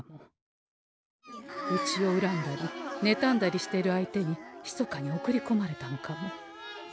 うちをうらんだりねたんだりしている相手にひそかに送りこまれたのかも。